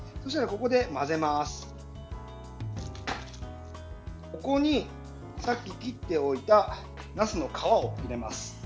ここに、さっき切っておいたなすの皮を入れます。